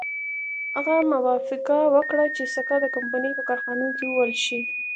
هغه موافقه وکړه چې سکه د کمپنۍ په کارخانو کې ووهل شي.